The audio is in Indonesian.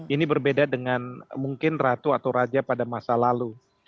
ini berbeda dengan mungkin ratu atau raja pada masa lalu